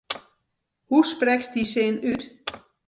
Hoe sprekst dy sin út?